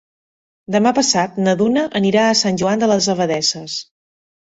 Demà passat na Duna anirà a Sant Joan de les Abadesses.